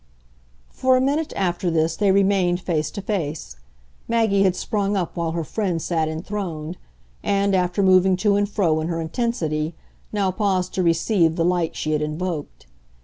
For a minute after this they remained face to face; Maggie had sprung up while her friend sat enthroned, and, after moving to and fro in her intensity, now paused to receive the light she had invoked.